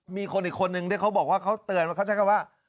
มีคนอีกคนนึงที่เขาบอกว่าเขาเตือนว่า